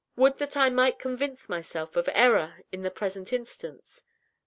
Would that I might convince myself of error in the present instance!"